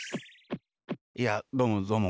やあどうもどうも。